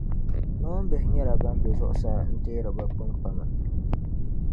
Noombihi nyɛla ban bɛ zuɣusaa n teeri bɛ kpimkpama